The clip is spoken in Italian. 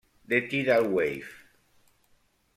The Tidal Wave